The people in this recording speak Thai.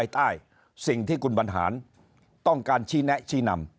ใต้สิ่งที่คุณบรรหารต้องการชี้แนะชี้นำ